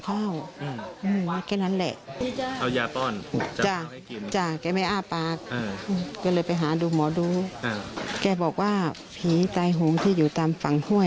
เธอเลยไปหาดูหมอดูแกบอกว่าผีตายห่วงที่อยู่ตามฝั่งห้วย